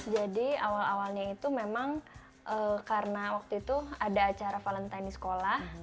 jadi awal awalnya itu memang karena waktu itu ada acara valentini sekolah